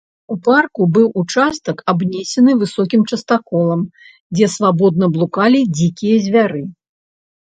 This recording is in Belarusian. У парку быў участак, абнесены высокім частаколам, дзе свабодна блукалі дзікія звяры.